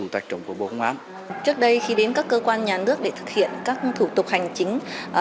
trước đây khi đến các cơ quan nhà nước để thực hiện các thủ tục hành chính